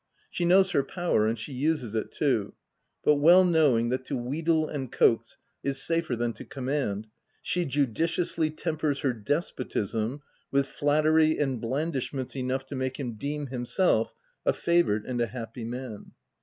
She knows her power, and she uses it too ; but well knowing that to wheedle and coax is safer than to com mand, she judiciously tempers her despotism with flattery and blandishments enough to make him deem himself a favoured and a happy man.